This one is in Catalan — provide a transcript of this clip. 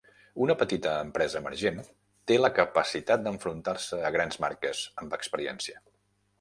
Una petita empresa emergent té la capacitat d'enfrontar-se a grans marques amb experiència.